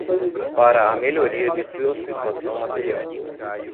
para a melhoria de sua situação material